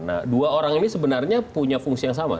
nah dua orang ini sebenarnya punya fungsi yang sama